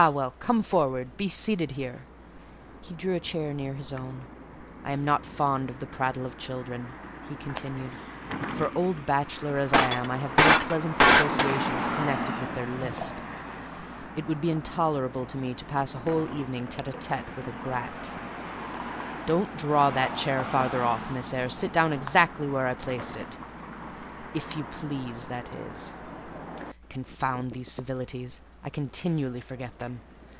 well, come forward; be seated here." He drew a chair near his own. "I am not fond of the prattle of children," he continued; "for, old bachelor as I am, I have no pleasant associations connected with their lisp. It would be intolerable to me to pass a whole evening tête à tête with a brat. Don't draw that chair farther off, Miss Eyre; sit down exactly where I placed it—if you please, that is. Confound these civilities! I continually forget them.